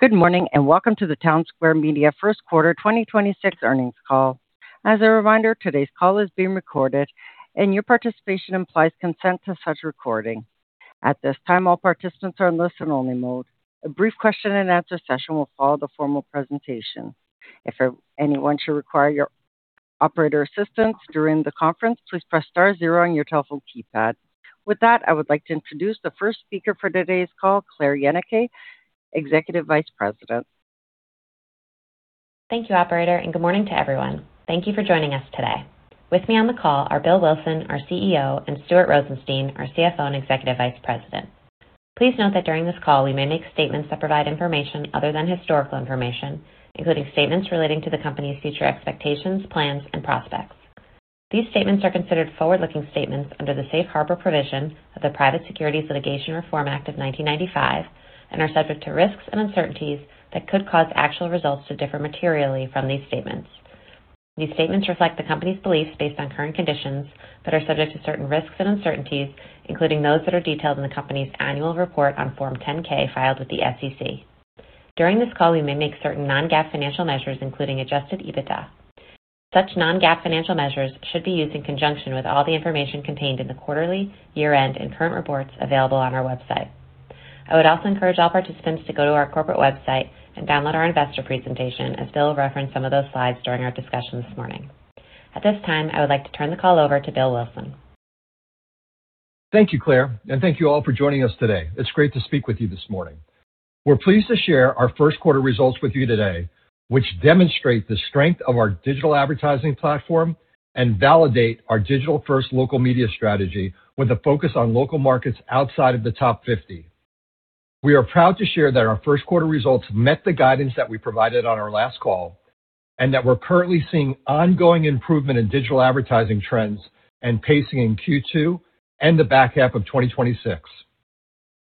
Good morning, and welcome to the Townsquare Media First Quarter 2026 earnings call. As a reminder, today's call is being recorded, and your participation implies consent to such recording. At this time, all participants are in listen-only mode. A brief question-and-answer session will follow the formal presentation. If anyone should require your operator assistance during the conference, please press star zero on your telephone keypad. With that, I would like to introduce the first speaker for today's call, Claire Yenicay, Executive Vice President. Thank you, operator, and good morning to everyone. Thank you for joining us today. With me on the call are Bill Wilson, our CEO, and Stuart Rosenstein, our CFO and Executive Vice President. Please note that during this call, we may make statements that provide information other than historical information, including statements relating to the company's future expectations, plans, and prospects. These statements are considered forward-looking statements under the safe harbor provisions of the Private Securities Litigation Reform Act of 1995 and are subject to risks and uncertainties that could cause actual results to differ materially from these statements. These statements reflect the company's beliefs based on current conditions that are subject to certain risks and uncertainties, including those that are detailed in the company's annual report on Form 10-K filed with the SEC. During this call, we may make certain non-GAAP financial measures, including adjusted EBITDA. Such non-GAAP financial measures should be used in conjunction with all the information contained in the quarterly, year-end, and current reports available on our website. I would also encourage all participants to go to our corporate website and download our investor presentation, as Bill will reference some of those slides during our discussion this morning. At this time, I would like to turn the call over to Bill Wilson. Thank you, Claire, and thank you all for joining us today. It's great to speak with you this morning. We're pleased to share our first quarter results with you today, which demonstrate the strength of our digital advertising platform and validate our digital-first local media strategy with a focus on local markets outside of the top 50. We are proud to share that our first quarter results met the guidance that we provided on our last call and that we're currently seeing ongoing improvement in digital advertising trends and pacing in Q2 and the back half of 2026.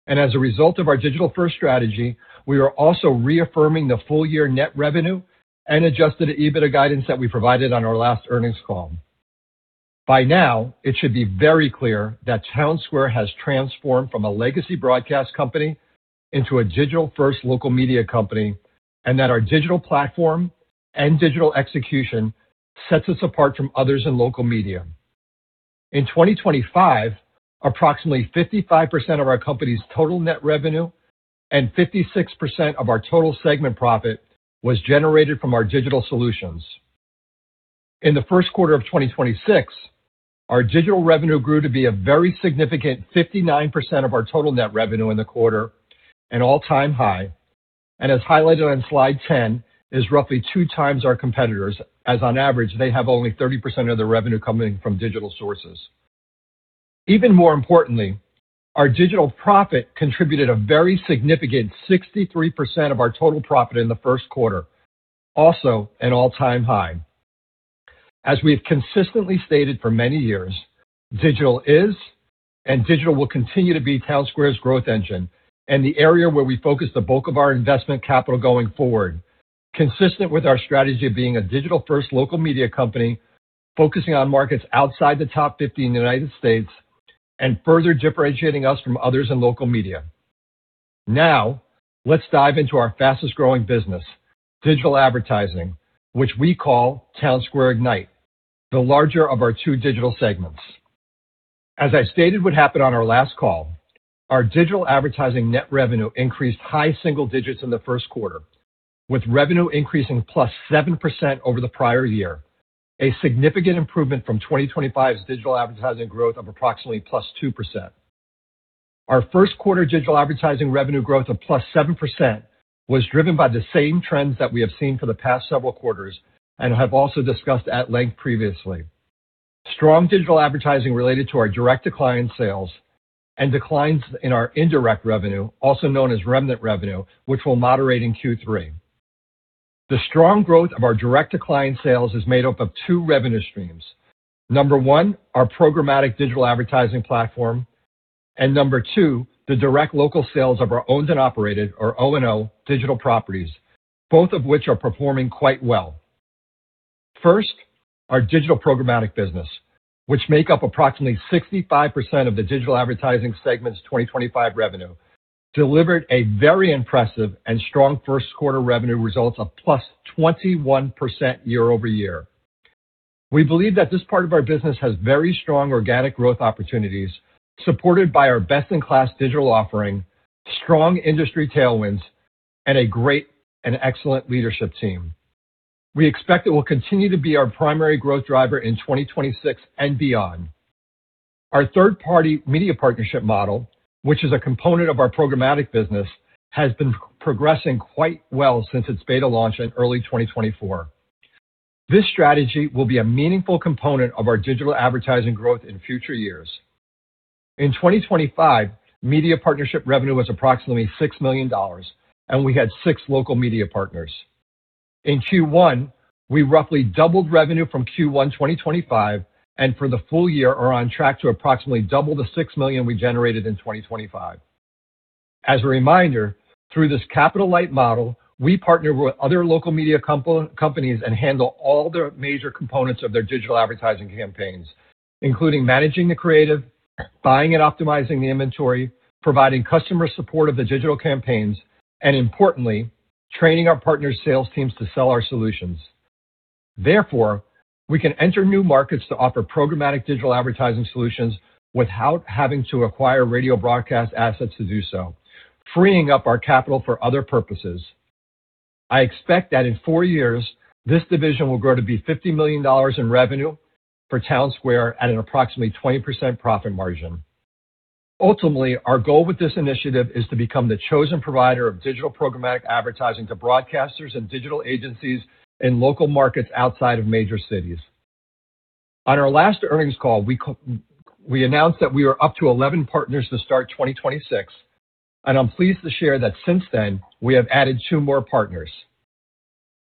As a result of our digital-first strategy, we are also reaffirming the full-year net revenue and adjusted EBITDA guidance that we provided on our last earnings call. By now, it should be very clear that Townsquare has transformed from a legacy broadcast company into a digital-first local media company, and that our digital platform and digital execution sets us apart from others in local media. In 2025, approximately 55% of our company's total net revenue and 56% of our total segment profit was generated from our digital solutions. In the first quarter of 2026, our digital revenue grew to be a very significant 59% of our total net revenue in the quarter, an all-time high, and as highlighted on slide 10, is roughly two times our competitors, as on average, they have only 30% of their revenue coming from digital sources. Even more importantly, our digital profit contributed a very significant 63% of our total profit in the first quarter, also an all-time high. As we have consistently stated for many years, digital is, and digital will continue to be, Townsquare's growth engine and the area where we focus the bulk of our investment capital going forward, consistent with our strategy of being a digital-first local media company, focusing on markets outside the top 50 in the U.S. and further differentiating us from others in local media. Now, let's dive into our fastest-growing business, digital advertising, which we call Townsquare Ignite, the larger of our two digital segments. As I stated would happen on our last call, our digital advertising net revenue increased high single digits in the first quarter, with revenue increasing +7% over the prior year, a significant improvement from 2025's digital advertising growth of approximately +2%. Our first quarter digital advertising revenue growth of +7% was driven by the same trends that we have seen for the past several quarters and have also discussed at length previously. Strong digital advertising related to our direct-to-client sales and declines in our indirect revenue, also known as remnant revenue, which will moderate in Q3. The strong growth of our direct-to-client sales is made up of two revenue streams. Number one, our programmatic digital advertising platform, and Number two, the direct local sales of our owned and operated, or O&O, digital properties, both of which are performing quite well. First, our digital programmatic business, which make up approximately 65% of the digital advertising segment's 2025 revenue, delivered a very impressive and strong first quarter revenue results of +21% year-over-year. We believe that this part of our business has very strong organic growth opportunities, supported by our best-in-class digital offering, strong industry tailwinds, and a great and excellent leadership team. We expect it will continue to be our primary growth driver in 2026 and beyond. Our third-party media partnership model, which is a component of our programmatic business, has been progressing quite well since its beta launch in early 2024. This strategy will be a meaningful component of our digital advertising growth in future years. In 2025, media partnership revenue was approximately $6 million, and we had six local media partners. In Q1, we roughly doubled revenue from Q1 2025, and for the full year are on track to approximately double the $6 million we generated in 2025. As a reminder, through this capital-light model, we partner with other local media companies and handle all the major components of their digital advertising campaigns, including managing the creative, buying and optimizing the inventory, providing customer support of the digital campaigns, and importantly, training our partners' sales teams to sell our solutions. Therefore, we can enter new markets to offer programmatic digital advertising solutions without having to acquire radio broadcast assets to do so, freeing up our capital for other purposes. I expect that in four years, this division will grow to be $50 million in revenue for Townsquare at an approximately 20% profit margin. Our goal with this initiative is to become the chosen provider of digital programmatic advertising to broadcasters and digital agencies in local markets outside of major cities. On our last earnings call, we announced that we were up to 11 partners to start 2026. I'm pleased to share that since then, we have added two more partners.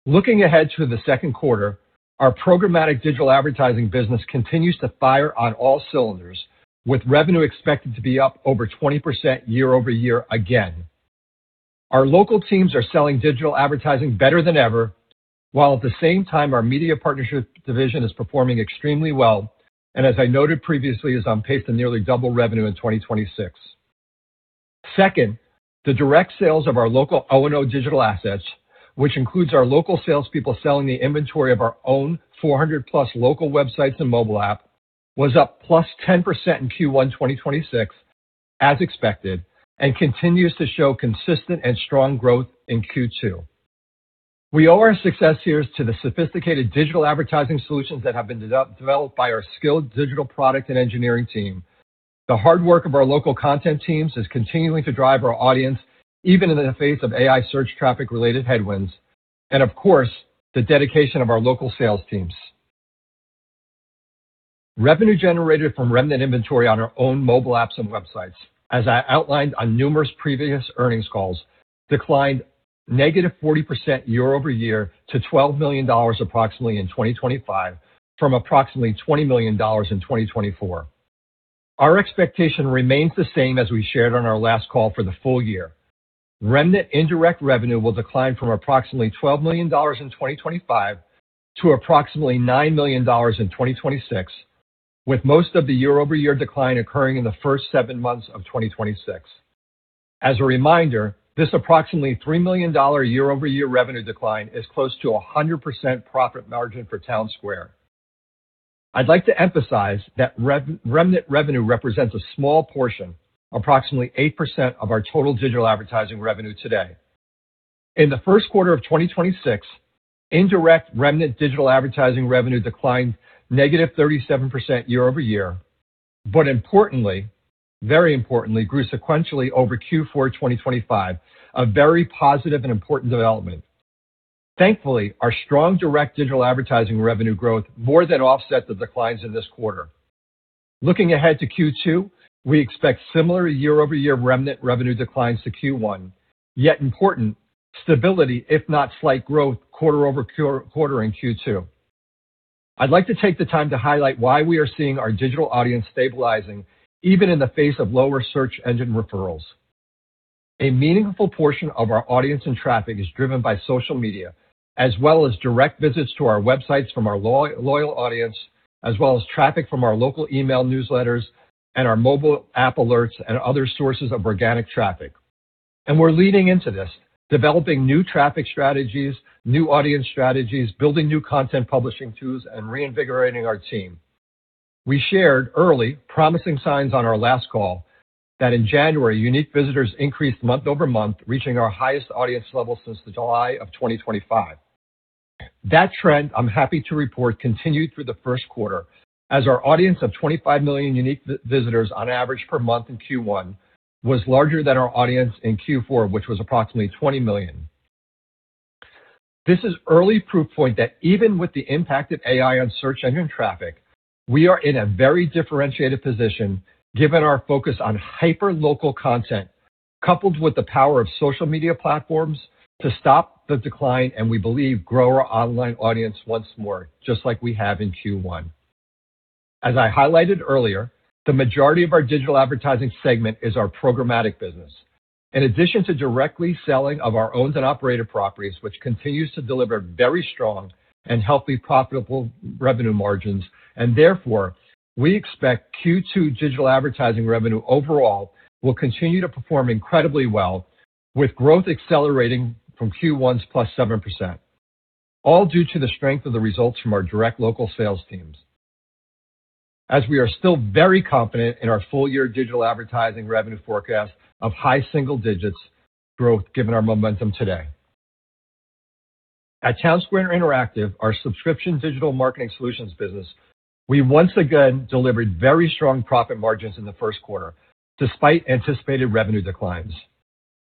Looking ahead to the second quarter, our programmatic digital advertising business continues to fire on all cylinders, with revenue expected to be up over 20% year-over-year again. Our local teams are selling digital advertising better than ever, while at the same time our media partnership division is performing extremely well. As I noted previously, is on pace to nearly double revenue in 2026. The direct sales of our local O&O digital assets, which includes our local salespeople selling the inventory of our own 400+ local websites and mobile app, was up +10% in Q1 2026, as expected, and continues to show consistent and strong growth in Q2. We owe our success here to the sophisticated digital advertising solutions that have been developed by our skilled digital product and engineering team. The hard work of our local content teams is continuing to drive our audience, even in the face of AI search traffic related headwinds, and of course, the dedication of our local sales teams. Revenue generated from remnant inventory on our own mobile apps and websites, as I outlined on numerous previous earnings calls, declined -40% year-over-year to $12 million approximately in 2025 from approximately $20 million in 2024. Our expectation remains the same as we shared on our last call for the full year. Remnant indirect revenue will decline from approximately $12 million in 2025 to approximately $9 million in 2026, with most of the year-over-year decline occurring in the first seven months of 2026. As a reminder, this approximately $3 million year-over-year revenue decline is close to 100% profit margin for Townsquare. I'd like to emphasize that remnant revenue represents a small portion, approximately 8% of our total digital advertising revenue today. In the first quarter of 2026, indirect remnant digital advertising revenue declined -37% year-over-year, but importantly, very importantly, grew sequentially over Q4 2025, a very positive and important development. Thankfully, our strong direct digital advertising revenue growth more than offset the declines in this quarter. Looking ahead to Q2, we expect similar year-over-year remnant revenue declines to Q1, yet important stability, if not slight growth, quarter-over-quarter in Q2. I'd like to take the time to highlight why we are seeing our digital audience stabilizing even in the face of lower search engine referrals. A meaningful portion of our audience and traffic is driven by social media, as well as direct visits to our websites from our loyal audience, as well as traffic from our local email newsletters and our mobile app alerts and other sources of organic traffic. We're leaning into this, developing new traffic strategies, new audience strategies, building new content publishing tools, and reinvigorating our team. We shared early promising signs on our last call that in January, unique visitors increased month-over-month, reaching our highest audience level since the July of 2025. That trend, I'm happy to report, continued through the first quarter as our audience of 25 million unique visitors on average per month in Q1 was larger than our audience in Q4, which was approximately 20 million. This is early proof point that even with the impact of AI on search engine traffic, we are in a very differentiated position given our focus on hyper-local content coupled with the power of social media platforms to stop the decline, and we believe grow our online audience once more, just like we have in Q1. As I highlighted earlier, the majority of our digital advertising segment is our programmatic business. In addition to directly selling of our owned and operated properties, which continues to deliver very strong and healthy profitable revenue margins, and therefore, we expect Q2 digital advertising revenue overall will continue to perform incredibly well with growth accelerating from Q1's +7%, all due to the strength of the results from our direct local sales teams, as we are still very confident in our full year digital advertising revenue forecast of high single-digits growth given our momentum today. At Townsquare Interactive, our subscription digital marketing solutions business, we once again delivered very strong profit margins in the first quarter despite anticipated revenue declines.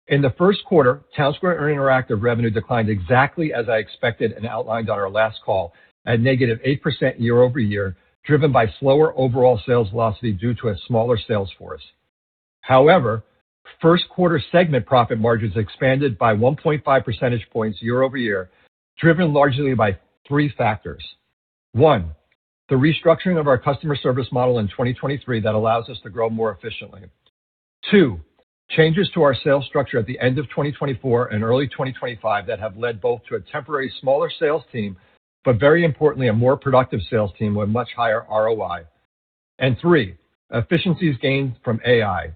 In the first quarter, Townsquare Interactive revenue declined exactly as I expected and outlined on our last call at -8% year-over-year, driven by slower overall sales velocity due to a smaller sales force. However, first quarter segment profit margins expanded by 1.5 percentage points year-over-year, driven largely by three factors. One, the restructuring of our customer service model in 2023 that allows us to grow more efficiently. Two, changes to our sales structure at the end of 2024 and early 2025 that have led both to a temporary smaller sales team, but very importantly, a more productive sales team with much higher ROI. Three, efficiencies gained from AI.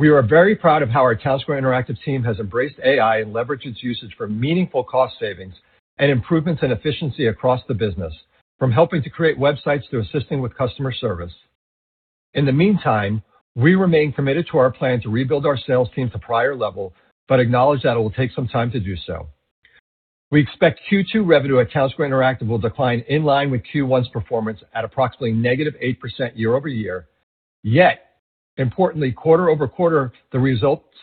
We are very proud of how our Townsquare Interactive team has embraced AI and leveraged its usage for meaningful cost savings and improvements in efficiency across the business, from helping to create websites to assisting with customer service. In the meantime, we remain committed to our plan to rebuild our sales team to prior level, but acknowledge that it will take some time to do so. We expect Q2 revenue at Townsquare Interactive will decline in line with Q1's performance at approximately -8% year-over-year. Yet, importantly, quarter-over-quarter, the results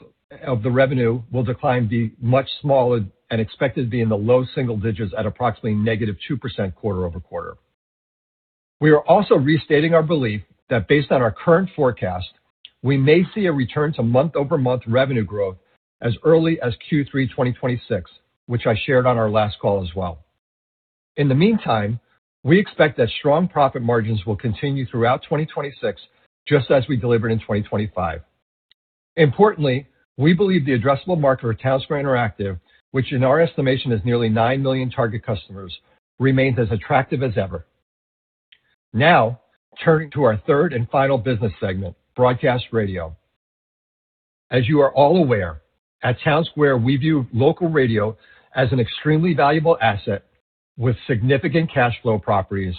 of the revenue will decline be much smaller and expected to be in the low single digits at approximately -2% quarter-over-quarter. We are also restating our belief that based on our current forecast, we may see a return to month-over-month revenue growth as early as Q3 2026, which I shared on our last call as well. In the meantime, we expect that strong profit margins will continue throughout 2026, just as we delivered in 2025. Importantly, we believe the addressable market for Townsquare Interactive, which in our estimation is nearly 9 million target customers, remains as attractive as ever. Now, turning to our third and final business segment, broadcast radio. As you are all aware, at Townsquare, we view local radio as an extremely valuable asset with significant cash flow properties,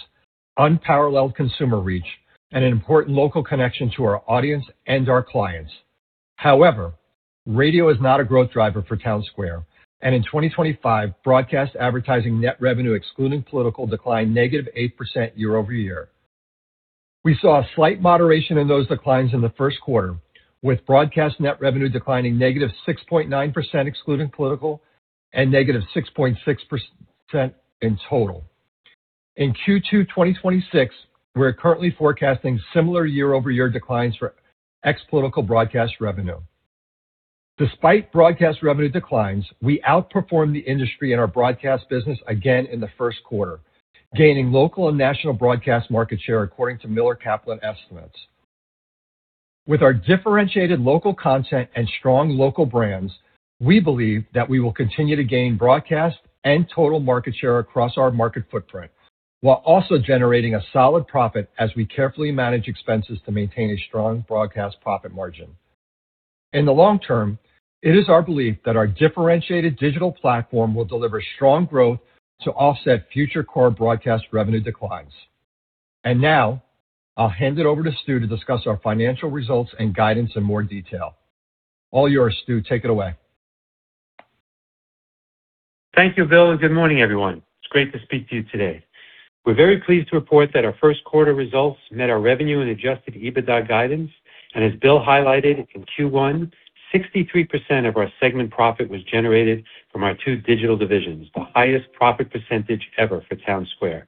unparalleled consumer reach, and an important local connection to our audience and our clients. However, radio is not a growth driver for Townsquare, and in 2025, broadcast advertising net revenue, excluding political, declined -8% year-over-year. We saw a slight moderation in those declines in the first quarter, with broadcast net revenue declining -6.9% excluding political and -6.6% in total. In Q2 2026, we're currently forecasting similar year-over-year declines for ex-political broadcast revenue. Despite broadcast revenue declines, we outperformed the industry in our broadcast business again in the first quarter, gaining local and national broadcast market share according to Miller Kaplan estimates. With our differentiated local content and strong local brands, we believe that we will continue to gain broadcast and total market share across our market footprint, while also generating a solid profit as we carefully manage expenses to maintain a strong broadcast profit margin. In the long term, it is our belief that our differentiated digital platform will deliver strong growth to offset future core broadcast revenue declines. Now, I'll hand it over to Stu to discuss our financial results and guidance in more detail. All yours, Stu. Take it away. Thank you, Bill. Good morning, everyone. It's great to speak to you today. We're very pleased to report that our first quarter results met our revenue and adjusted EBITDA guidance. As Bill highlighted, in Q1, 63% of our segment profit was generated from our two digital divisions, the highest profit percentage ever for Townsquare.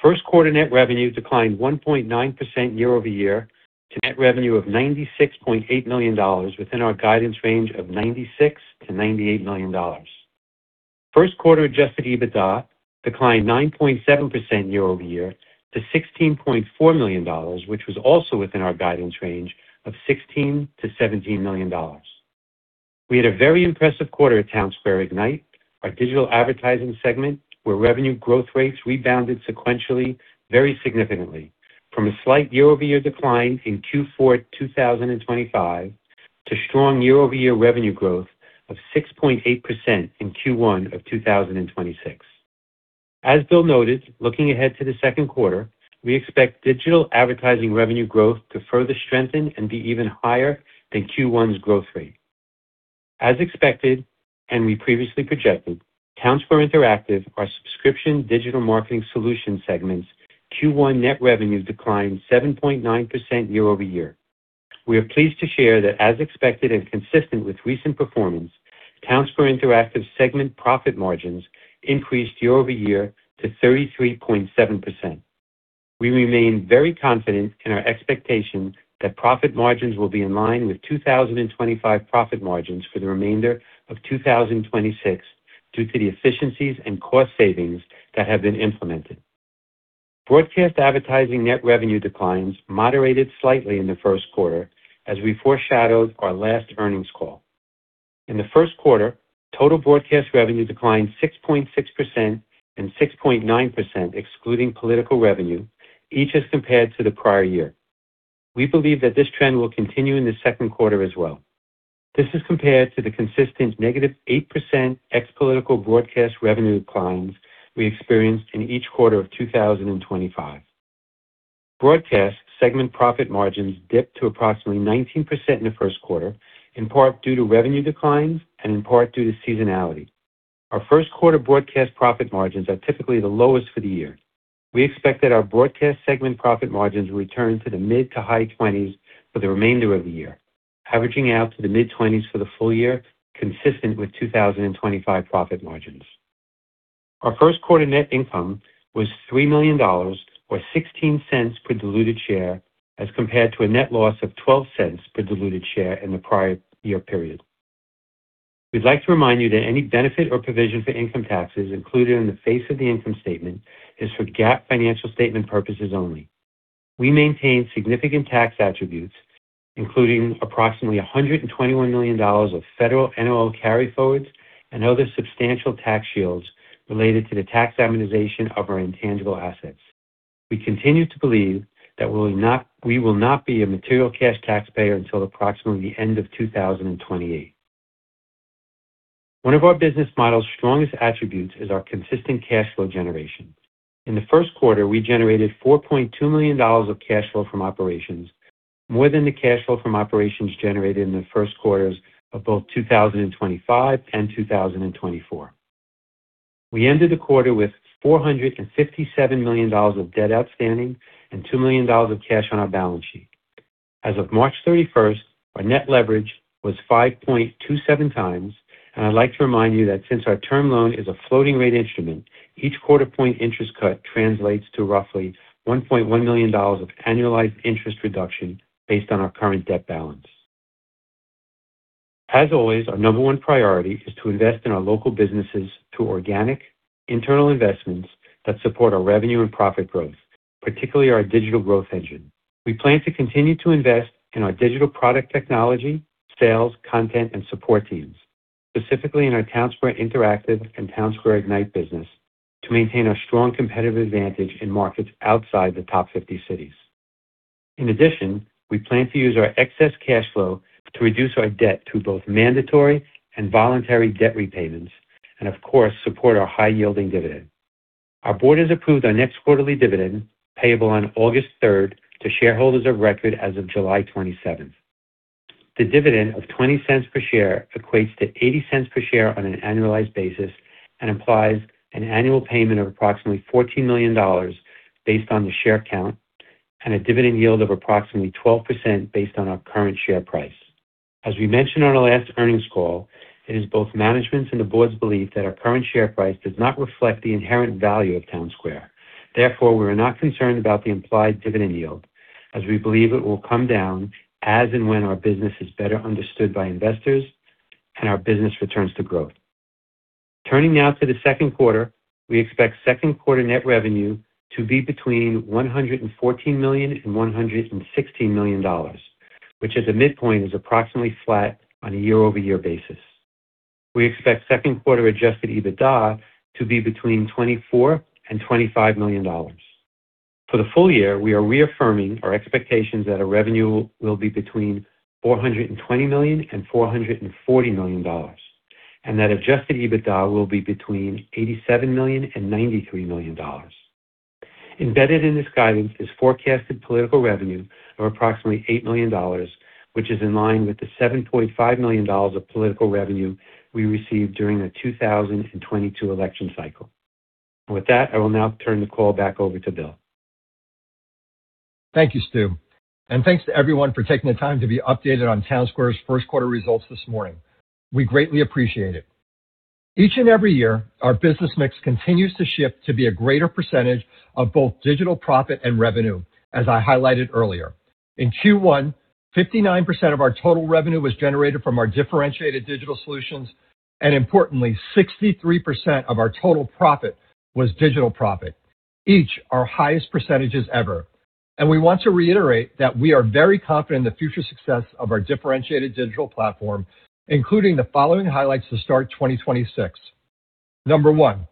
First quarter net revenue declined 1.9% year-over-year to net revenue of $96.8 million within our guidance range of $96 million-$98 million. First quarter adjusted EBITDA declined 9.7% year-over-year to $16.4 million, which was also within our guidance range of $16 million-$17 million. We had a very impressive quarter at Townsquare Ignite, our digital advertising segment, where revenue growth rates rebounded sequentially very significantly from a slight year-over-year decline in Q4 2025 to strong year-over-year revenue growth of 6.8% in Q1 of 2026. As Bill noted, looking ahead to the second quarter, we expect digital advertising revenue growth to further strengthen and be even higher than Q1's growth rate. As expected, and we previously projected, Townsquare Interactive, our subscription digital marketing solution segment's Q1 net revenue declined 7.9% year-over-year. We are pleased to share that, as expected and consistent with recent performance, Townsquare Interactive's segment profit margins increased year-over-year to 33.7%. We remain very confident in our expectation that profit margins will be in line with 2025 profit margins for the remainder of 2026 due to the efficiencies and cost savings that have been implemented. Broadcast advertising net revenue declines moderated slightly in the first quarter as we foreshadowed our last earnings call. In the first quarter, total broadcast revenue declined 6.6% and 6.9% excluding political revenue, each as compared to the prior year. We believe that this trend will continue in the second quarter as well. This is compared to the consistent -8% ex-political broadcast revenue declines we experienced in each quarter of 2025. Broadcast segment profit margins dipped to approximately 19% in the first quarter, in part due to revenue declines and in part due to seasonality. Our first quarter broadcast profit margins are typically the lowest for the year. We expect that our broadcast segment profit margins will return to the mid-to-high 20s for the remainder of the year, averaging out to the mid-20s for the full year, consistent with 2025 profit margins. Our first quarter net income was $3 million or $0.16 per diluted share as compared to a net loss of $0.12 per diluted share in the prior year period. We'd like to remind you that any benefit or provision for income taxes included in the face of the income statement is for GAAP financial statement purposes only. We maintain significant tax attributes, including approximately $121 million of federal NOL carryforwards and other substantial tax shields related to the tax amortization of our intangible assets. We continue to believe that we will not be a material cash taxpayer until approximately end of 2028. One of our business model's strongest attributes is our consistent cash flow generation. In the first quarter, we generated $4.2 million of cash flow from operations, more than the cash flow from operations generated in the first quarters of both 2025 and 2024. We ended the quarter with $457 million of debt outstanding and $2 million of cash on our balance sheet. As of March 31st, our net leverage was 5.27 times. I'd like to remind you that since our term loan is a floating rate instrument, each quarter point interest cut translates to roughly $1.1 million of annualized interest reduction based on our current debt balance. As always, our number one priority is to invest in our local businesses through organic internal investments that support our revenue and profit growth, particularly our digital growth engine. We plan to continue to invest in our digital product technology, sales, content, and support teams, specifically in our Townsquare Interactive and Townsquare Ignite business, to maintain our strong competitive advantage in markets outside the top 50 cities. We plan to use our excess cash flow to reduce our debt through both mandatory and voluntary debt repayments and, of course, support our high-yielding dividend. Our board has approved our next quarterly dividend payable on August 3rd to shareholders of record as of July 27th. The dividend of $0.20 per share equates to $0.80 per share on an annualized basis and implies an annual payment of approximately $14 million based on the share count and a dividend yield of approximately 12% based on our current share price. As we mentioned on our last earnings call, it is both management's and the board's belief that our current share price does not reflect the inherent value of Townsquare. We're not concerned about the implied dividend yield, as we believe it will come down as and when our business is better understood by investors and our business returns to growth. Turning now to the second quarter. We expect second quarter net revenue to be between $114 million and $116 million, which at the midpoint is approximately flat on a year-over-year basis. We expect second quarter adjusted EBITDA to be between $24 million and $25 million. For the full year, we are reaffirming our expectations that our revenue will be between $420 million and $440 million, and that adjusted EBITDA will be between $87 million and $93 million. Embedded in this guidance is forecasted political revenue of approximately $8 million, which is in line with the $7.5 million of political revenue we received during the 2022 election cycle. With that, I will now turn the call back over to Bill. Thank you, Stu, and thanks to everyone for taking the time to be updated on Townsquare's first quarter results this morning. We greatly appreciate it. Each and every year, our business mix continues to shift to be a greater percentage of both digital profit and revenue, as I highlighted earlier. In Q1, 59% of our total revenue was generated from our differentiated digital solutions, and importantly, 63% of our total profit was digital profit, each our highest percentages ever. We want to reiterate that we are very confident in the future success of our differentiated digital platform, including the following highlights to start 2026. Number one,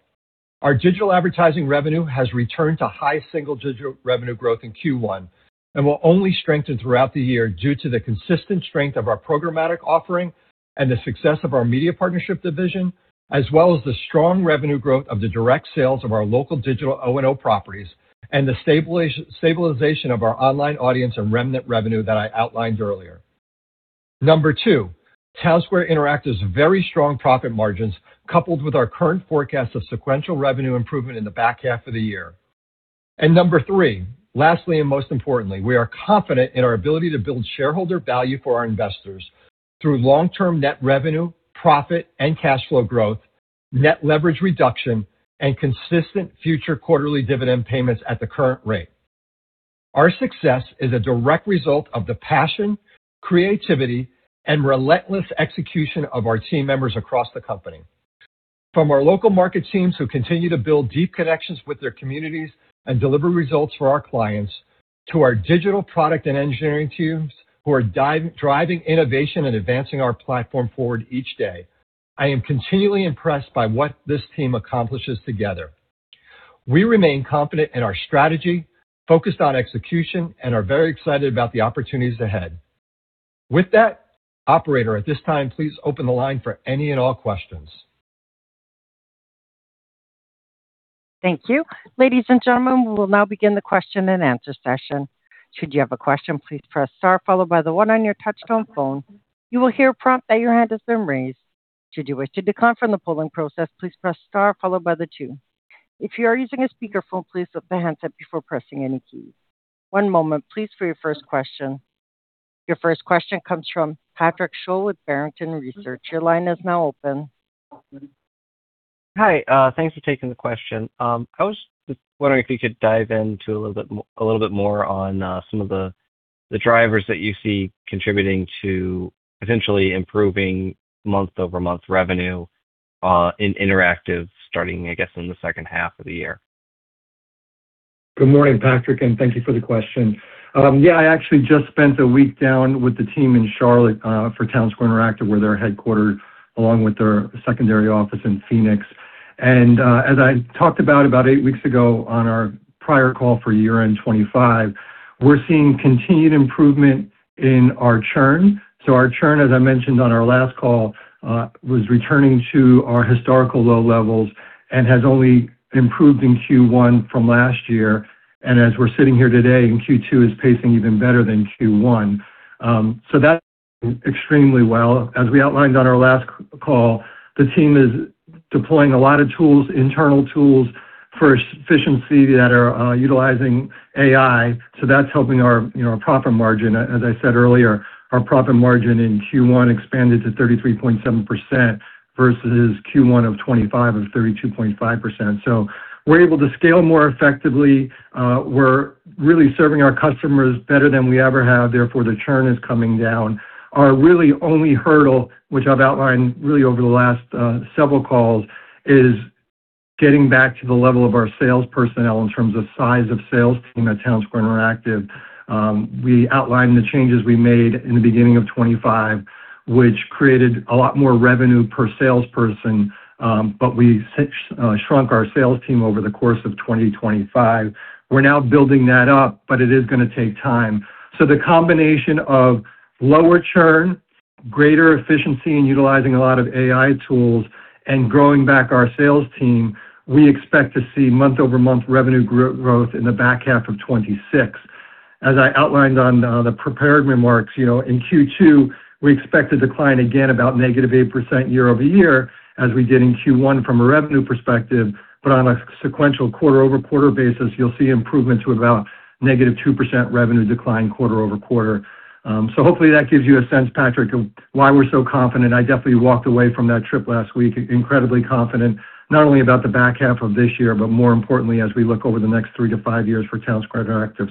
our digital advertising revenue has returned to high single-digit revenue growth in Q1 and will only strengthen throughout the year due to the consistent strength of our programmatic offering and the success of our media partnership division, as well as the strong revenue growth of the direct sales of our local digital O&O properties and the stabilization of our online audience and remnant revenue that I outlined earlier. Number two, Townsquare Interactive's very strong profit margins, coupled with our current forecast of sequential revenue improvement in the back half of the year. Number three, lastly and most importantly, we are confident in our ability to build shareholder value for our investors through long-term net revenue, profit, and cash flow growth, net leverage reduction, and consistent future quarterly dividend payments at the current rate. Our success is a direct result of the passion, creativity, and relentless execution of our team members across the company. From our local market teams who continue to build deep connections with their communities and deliver results for our clients to our digital product and engineering teams who are driving innovation and advancing our platform forward each day. I am continually impressed by what this team accomplishes together. We remain confident in our strategy, focused on execution, and are very excited about the opportunities ahead. With that, operator, at this time, please open the line for any and all questions. Thank you. Ladies and gentlemen, we will now begin the question-and-answer session. Should you have a question, please press star followed by the one on your touchtone phone. You will hear a prompt that your hand has been raised. Should you wish to decline from the polling process, please press star followed by the two. If you are using a speakerphone, please lift the handset before pressing any key. One moment please for your first question. Your first question comes from Patrick Sholl with Barrington Research. Your line is now open. Hi, thanks for taking the question. I was just wondering if you could dive into a little bit more on some of the drivers that you see contributing to potentially improving month-over-month revenue in Interactive starting, I guess, in the second half of the year. Good morning, Patrick. Thank you for the question. Yeah, I actually just spent a week down with the team in Charlotte for Townsquare Interactive, where they're headquartered, along with their secondary office in Phoenix. As I talked about eight weeks ago on our prior call for year-end 2025, we're seeing continued improvement in our churn. Our churn, as I mentioned on our last call, was returning to our historical low levels and has only improved in Q1 from last year. As we're sitting here today, Q2 is pacing even better than Q1. As we outlined on our last call, the team is deploying a lot of tools, internal tools for efficiency that are utilizing AI, so that's helping our, you know, profit margin. As I said earlier, our profit margin in Q1 expanded to 33.7% versus Q1 of 2025 of 32.5%. We're able to scale more effectively, we're really serving our customers better than we ever have, therefore, the churn is coming down. Our really only hurdle, which I've outlined really over the last several calls, is getting back to the level of our sales personnel in terms of size of sales team at Townsquare Interactive. We outlined the changes we made in the beginning of 2025, which created a lot more revenue per salesperson, but we shrunk our sales team over the course of 2025. We're now building that up, but it is gonna take time. The combination of lower churn, greater efficiency in utilizing a lot of AI tools, and growing back our sales team, we expect to see month-over-month revenue growth in the back half of 2026. As I outlined on the prepared remarks, you know, in Q2, we expect a decline again about -8% year-over-year as we did in Q1 from a revenue perspective. On a sequential quarter-over-quarter basis, you'll see improvement to about -2% revenue decline quarter-over-quarter. Hopefully that gives you a sense, Patrick, of why we're so confident. I definitely walked away from that trip last week incredibly confident, not only about the back half of this year, but more importantly, as we look over the next three to five years for Townsquare Interactive.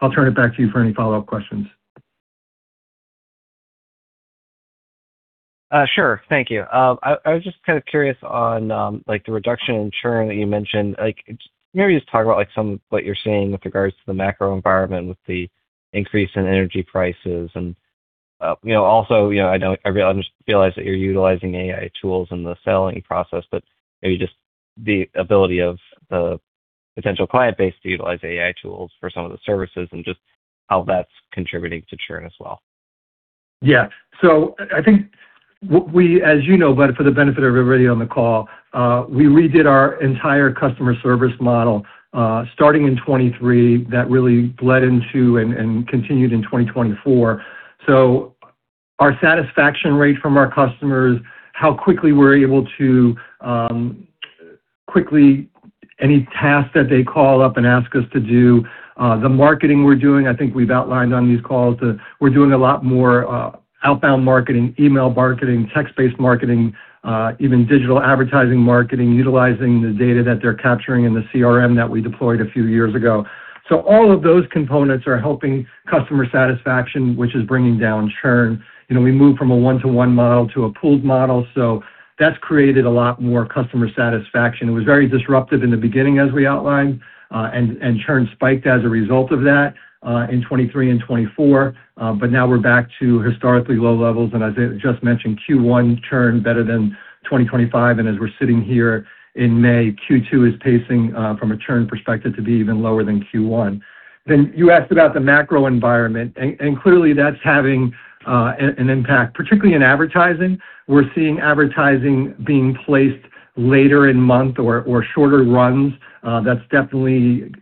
I'll turn it back to you for any follow-up questions. Sure. Thank you. I was just kind of curious on like the reduction in churn that you mentioned. Like, maybe just talk about like some of what you're seeing with regards to the macro environment with the increase in energy prices and, you know, also, you know, I just realized that you're utilizing AI tools in the selling process, but maybe just the ability of the potential client base to utilize AI tools for some of the services and just how that's contributing to churn as well. Yeah. I think what we, as you know, but for the benefit of everybody on the call, we redid our entire customer service model, starting in 2023. That really bled into and continued in 2024. Our satisfaction rate from our customers, how quickly we're able to quickly any task that they call up and ask us to do. The marketing we're doing, I think we've outlined on these calls that we're doing a lot more outbound marketing, email marketing, text-based marketing, even digital advertising marketing, utilizing the data that they're capturing in the CRM that we deployed a few years ago. All of those components are helping customer satisfaction, which is bringing down churn. You know, we moved from a one-to-one model to a pooled model, that's created a lot more customer satisfaction. It was very disruptive in the beginning, as we outlined, and churn spiked as a result of that in 2023 and 2024. Now we're back to historically low levels. As I just mentioned, Q1 churn better than 2025. As we're sitting here in May, Q2 is pacing from a churn perspective to be even lower than Q1. You asked about the macro environment and clearly that's having an impact, particularly in advertising. We're seeing advertising being placed later in month or shorter runs. That's definitely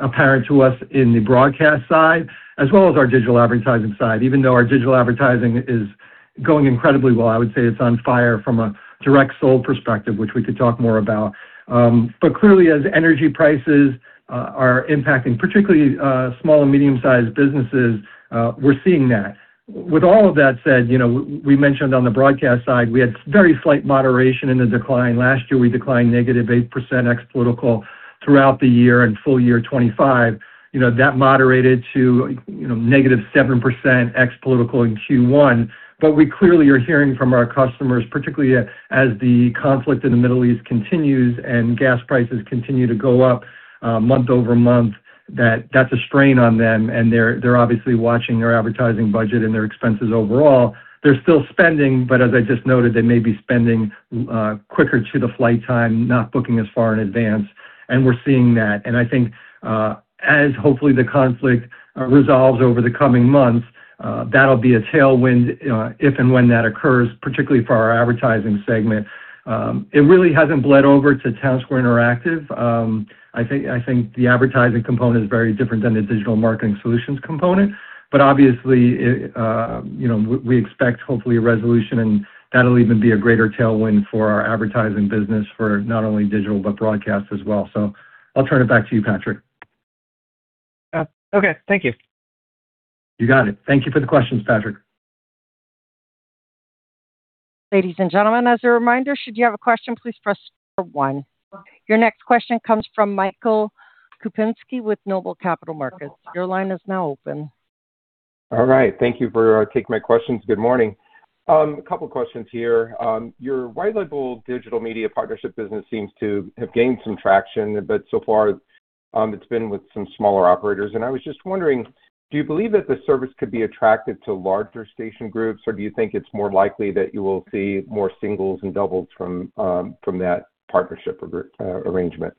apparent to us in the broadcast side as well as our digital advertising side, even though our digital advertising is going incredibly well. I would say it's on fire from a direct sold perspective, which we could talk more about. Clearly, as energy prices are impacting, particularly, small and medium-sized businesses, we're seeing that. With all of that said, you know, we mentioned on the broadcast side, we had very slight moderation in the decline. Last year, we declined -8% ex-political throughout the year and full year 2025. You know, that moderated to, you know, -7% ex-political in Q1. We clearly are hearing from our customers, particularly as the conflict in the Middle East continues and gas prices continue to go up month-over-month, that that's a strain on them. They're obviously watching their advertising budget and their expenses overall. They're still spending, but as I just noted, they may be spending quicker to the flight time, not booking as far in advance, and we're seeing that. I think, as hopefully the conflict resolves over the coming months, that'll be a tailwind, if and when that occurs, particularly for our advertising segment. It really hasn't bled over to Townsquare Interactive. I think the advertising component is very different than the digital marketing solutions component. Obviously, it, you know, we expect hopefully a resolution, and that'll even be a greater tailwind for our advertising business for not only digital but broadcast as well. I'll turn it back to you, Patrick. Okay. Thank you. You got it. Thank you for the questions, Patrick. Ladies and gentlemen, as a reminder, should you have a question, please press star one. Your next question comes from Michael Kupinski with Noble Capital Markets. Your line is now open. All right. Thank you for taking my questions. Good morning. A couple questions here. Your white label digital media partnership business seems to have gained some traction, but so far, it's been with some smaller operators. I was just wondering, do you believe that the service could be attracted to larger station groups, or do you think it's more likely that you will see more singles and doubles from that partnership arrangement?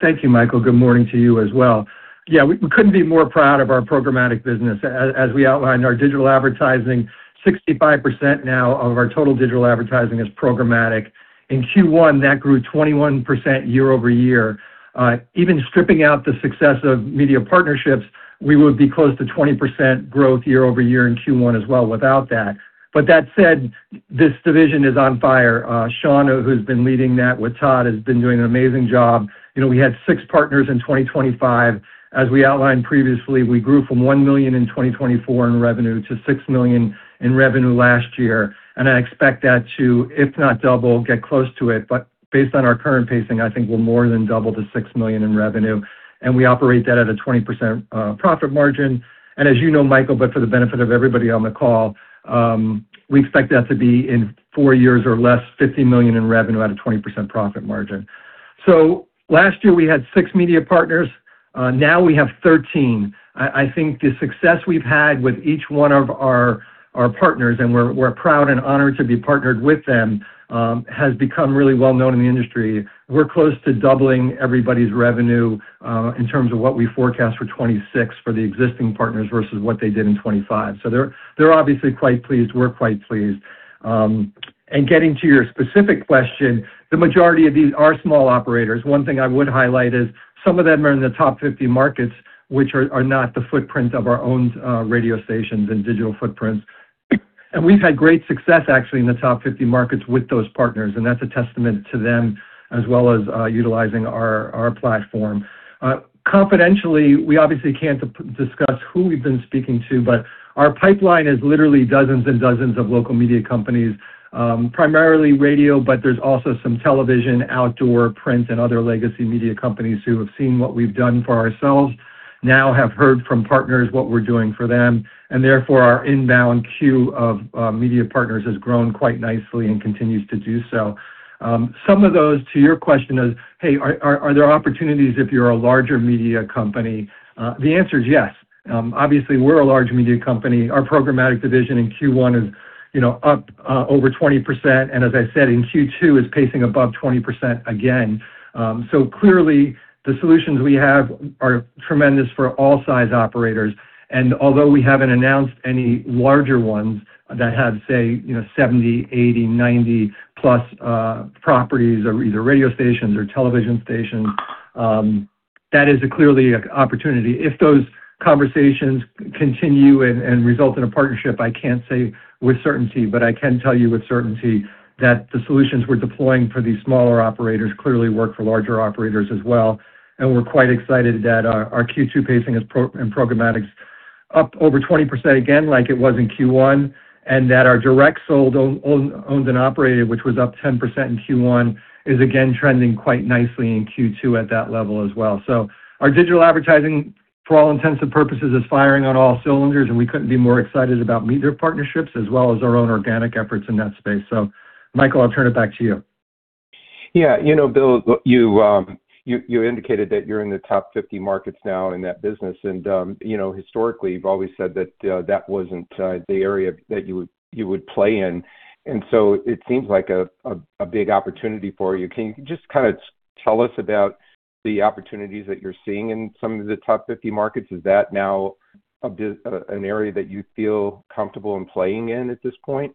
Thank you, Michael. Good morning to you as well. Yeah, we couldn't be more proud of our programmatic business. As we outlined, our digital advertising, 65% now of our total digital advertising is programmatic. In Q1, that grew 21% year-over-year. Even stripping out the success of media partnerships, we would be close to 20% growth year-over-year in Q1 as well without that. That said, this division is on fire. Shauna, who's been leading that with Todd, has been doing an amazing job. You know, we had six partners in 2025. As we outlined previously, we grew from $1 million in 2024 in revenue to $6 million in revenue last year. I expect that to, if not double, get close to it. Based on our current pacing, I think we'll more than double to $6 million in revenue, and we operate that at a 20% profit margin. As you know, Michael, but for the benefit of everybody on the call, we expect that to be in four years or less, $50 million in revenue at a 20% profit margin. Last year, we had six media partners. Now we have 13. I think the success we've had with each one of our partners, and we're proud and honored to be partnered with them, has become really well known in the industry. We're close to doubling everybody's revenue in terms of what we forecast for 2026 for the existing partners versus what they did in 2025. They're obviously quite pleased. We're quite pleased. Getting to your specific question, the majority of these are small operators. One thing I would highlight is some of them are in the top 50 markets, which are not the footprint of our own radio stations and digital footprints. We've had great success actually in the top 50 markets with those partners, and that's a testament to them as well as utilizing our platform. Confidentially, we obviously can't discuss who we've been speaking to, but our pipeline is literally dozens and dozens of local media companies, primarily radio, but there's also some television, outdoor, print, and other legacy media companies who have seen what we've done for ourselves, now have heard from partners what we're doing for them, and therefore, our inbound queue of media partners has grown quite nicely and continues to do so. Some of those, to your question is, hey, are there opportunities if you're a larger media company? The answer is yes. Obviously, we're a large media company. Our programmatic division in Q1 is, you know, up over 20%, and as I said, in Q2 is pacing above 20% again. So clearly the solutions we have are tremendous for all size operators. Although we haven't announced any larger ones that have, say, you know, 70, 80, 90+, properties or either radio stations or television stations, that is clearly a opportunity. If those conversations continue and result in a partnership, I can't say with certainty, but I can tell you with certainty that the solutions we're deploying for these smaller operators clearly work for larger operators as well, and we're quite excited that our Q2 pacing is in programmatic's up over 20% again, like it was in Q1, and that our direct sold, own-owned, owned and operated, which was up 10% in Q1, is again trending quite nicely in Q2 at that level as well. Our digital advertising for all intent and purposes is firing and all so we couldn't' be more excited about media partnerships as well as our organic efforts in that space. Michael, I'll turn it back to you. Yeah. You know, Bill, you indicated that you're in the top 50 markets now in that business and, you know, historically, you've always said that that wasn't the area that you would play in. It seems like a big opportunity for you. Can you just kind of tell us about the opportunities that you're seeing in some of the top 50 markets? Is that now an area that you feel comfortable in playing in at this point?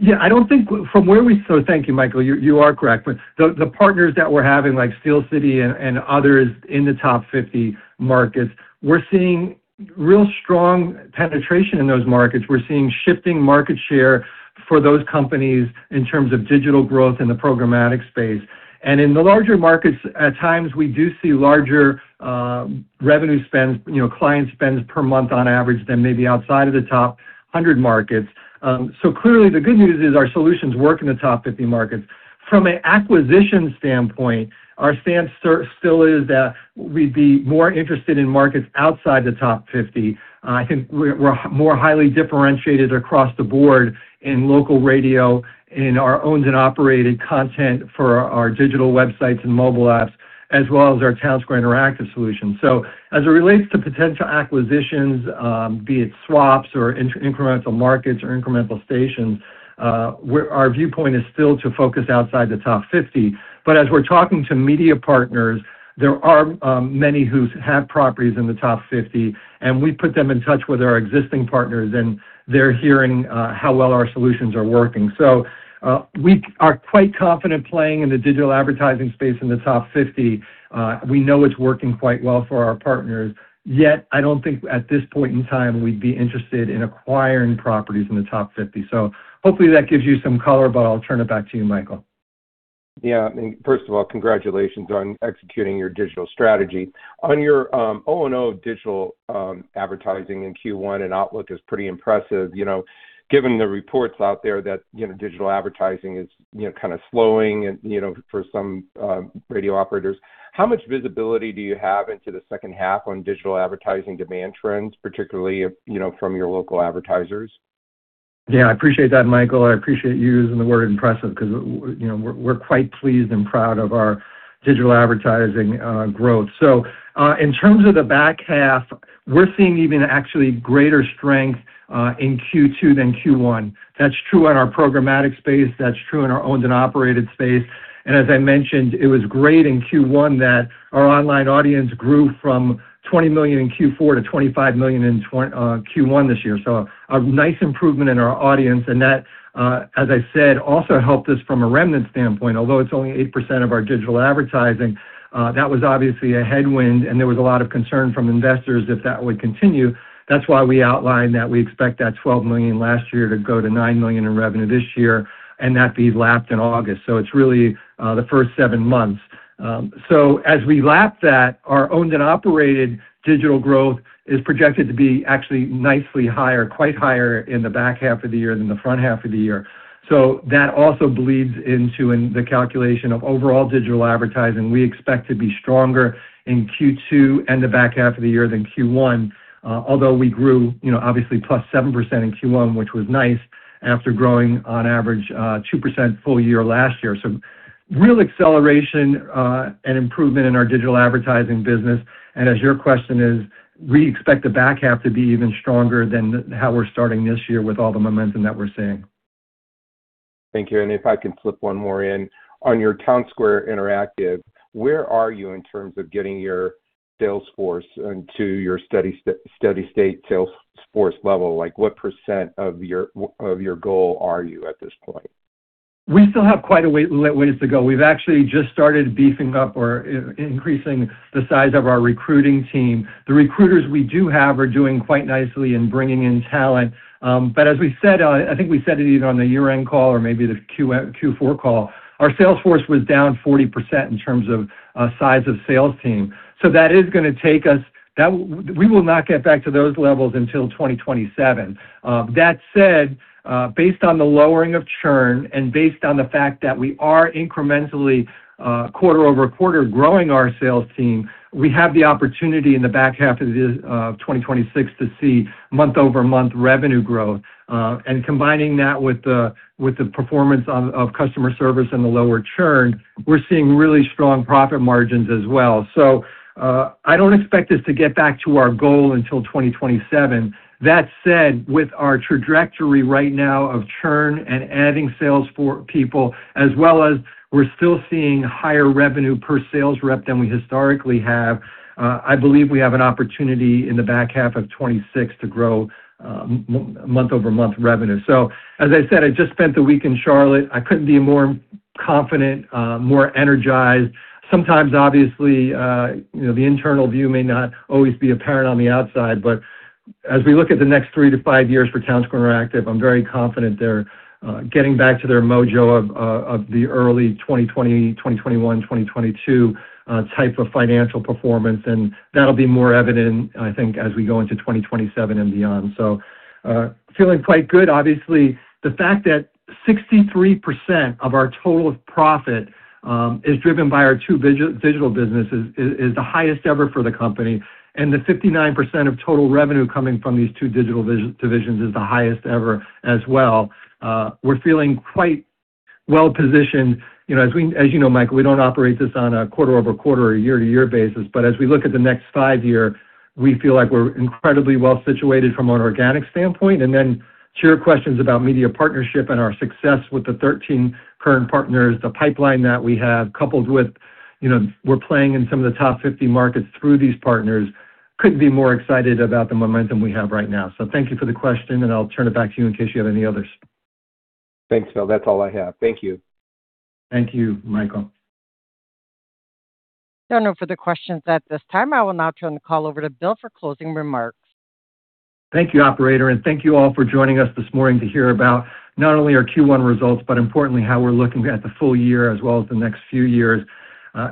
Thank you, Michael. You are correct. The partners that we're having, like Steel City Media and others in the top 50 markets, we're seeing real strong penetration in those markets. We're seeing shifting market share for those companies in terms of digital growth in the programmatic space. In the larger markets, at times we do see larger revenue spends, you know, client spends per month on average than maybe outside of the top 100 markets. Clearly, the good news is our solutions work in the top 50 markets. From an acquisition standpoint, our stance still is that we'd be more interested in markets outside the top 50. I think we're more highly differentiated across the board in local radio, in our owned and operated content for our digital websites and mobile apps, as well as our Townsquare Interactive solutions. As it relates to potential acquisitions, be it swaps or inter-incremental markets or incremental stations, our viewpoint is still to focus outside the top 50. As we're talking to media partners, there are many who have properties in the top 50, and we put them in touch with our existing partners, and they're hearing how well our solutions are working. We are quite confident playing in the digital advertising space in the top 50. We know it's working quite well for our partners. Yet, I don't think at this point in time we'd be interested in acquiring properties in the top 50. Hopefully that gives you some color, but I'll turn it back to you, Michael. Yeah. I mean, first of all, congratulations on executing your digital strategy. On your O&O digital advertising in Q1 and outlook is pretty impressive. You know, given the reports out there that, you know, digital advertising is, you know, kind of slowing and, you know, for some radio operators, how much visibility do you have into the second half on digital advertising demand trends, particularly if, you know, from your local advertisers? Yeah, I appreciate that, Michael. I appreciate you using the word impressive because, you know, we're quite pleased and proud of our digital advertising growth. In terms of the back half, we're seeing even actually greater strength in Q2 than Q1. That's true in our programmatic space, that's true in our owned and operated space. As I mentioned, it was great in Q1 that our online audience grew from 20 million in Q4 to 25 million in Q1 this year. A nice improvement in our audience, and that, as I said, also helped us from a remnant standpoint. Although it's only 8% of our digital advertising, that was obviously a headwind, and there was a lot of concern from investors if that would continue. That's why we outlined that we expect that $12 million last year to go to $9 million in revenue this year and that be lapped in August. It's really the first seven months. As we lap that, our owned and operated digital growth is projected to be actually nicely higher, quite higher in the back half of the year than the front half of the year. That also bleeds into in the calculation of overall digital advertising. We expect to be stronger in Q2 and the back half of the year than Q1, although we grew, you know, obviously +7% in Q1, which was nice, after growing on average 2% full year last year. Real acceleration and improvement in our digital advertising business. As your question is, we expect the back half to be even stronger than how we're starting this year with all the momentum that we're seeing. Thank you. If I can flip one more in. On your Townsquare Interactive, where are you in terms of getting your sales force into your steady state sales force level? Like, what percent of your goal are you at this point? We still have quite a way to go. We've actually just started beefing up or increasing the size of our recruiting team. The recruiters we do have are doing quite nicely in bringing in talent. But as we said, I think we said it either on the year-end call or maybe the Q4 call, our sales force was down 40% in terms of size of sales team. That is gonna take us That we will not get back to those levels until 2027. That said, based on the lowering of churn and based on the fact that we are incrementally, quarter-over-quarter growing our sales team, we have the opportunity in the back half of this 2026 to see month-over-month revenue growth. Combining that with the performance of customer service and the lower churn, we're seeing really strong profit margins as well. I don't expect us to get back to our goal until 2027. That said, with our trajectory right now of churn and adding sales for people, as well as we're still seeing higher revenue per sales rep than we historically have, I believe we have an opportunity in the back half of 2026 to grow month-over-month revenue. As I said, I just spent the week in Charlotte. I couldn't be more confident, more energized. Sometimes, obviously, you know, the internal view may not always be apparent on the outside, but as we look at the next three to five years for Townsquare Interactive, I'm very confident they're getting back to their mojo of the early 2020, 2021, 2022 type of financial performance, and that'll be more evident, I think, as we go into 2027 and beyond. Feeling quite good. Obviously, the fact that 63% of our total profit is driven by our two digital businesses is the highest ever for the company, and the 59% of total revenue coming from these two digital divisions is the highest ever as well. We're feeling quite well-positioned. You know, as you know, Michael, we don't operate this on a quarter-over-quarter or year-to-year basis, but as we look at the next five year, we feel like we're incredibly well-situated from an organic standpoint. To your questions about media partnership and our success with the 13 current partners, the pipeline that we have, coupled with, you know, we're playing in some of the top 50 markets through these partners, couldn't be more excited about the momentum we have right now. Thank you for the question, and I'll turn it back to you in case you have any others. Thanks, Bill. That's all I have. Thank you. Thank you, Michael. There are no further questions at this time. I will now turn the call over to Bill for closing remarks. Thank you, operator. Thank you all for joining us this morning to hear about not only our Q1 results, but importantly, how we're looking at the full year as well as the next few years.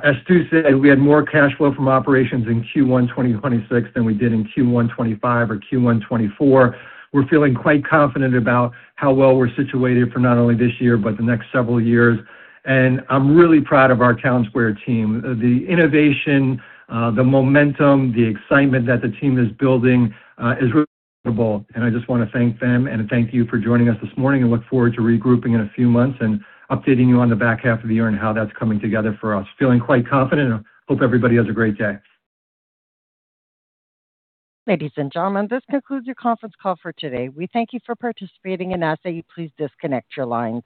As Stu said, we had more cash flow from operations in Q1 2026 than we did in Q1 2025 or Q1 2024. We're feeling quite confident about how well we're situated for not only this year but the next several years. I'm really proud of our Townsquare team. The innovation, the momentum, the excitement that the team is building is really incredible, and I just wanna thank them and thank you for joining us this morning and look forward to regrouping in a few months and updating you on the back half of the year and how that's coming together for us. feeling quite confident and hope everybody has a great day. Ladies and gentlemen, this concludes your conference call for today. We thank you for participating and ask that you please disconnect your lines.